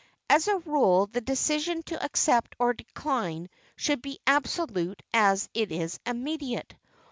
As a rule the decision to accept or decline should be as absolute as it is immediate.